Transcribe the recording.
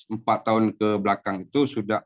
empat tahun kebelakang itu sudah